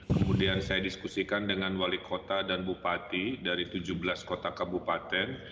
kemudian saya diskusikan dengan wali kota dan bupati dari tujuh belas kota kabupaten